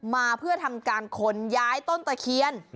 มาเพื่อทำการขนย้ายต้นตะเคียน